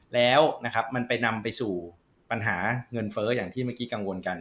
แล้วนะครับมันไปนำไปสู่ปัญหาเงินเฟ้ออย่างที่เมื่อกี้กังวลกัน